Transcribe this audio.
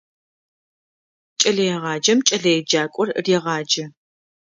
Кӏэлэегъаджэм кӏэлэеджакӏор регъаджэ.